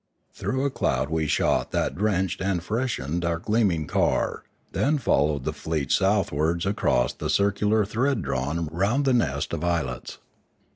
Through a cloud we shot that drenched and freshened our gleaming car, then followed the fleet southwards across the circular thread drawn round the nest of islets.